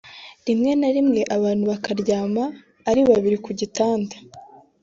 rimwe na rimwe abantu bakaryama ari babiri ku gitanda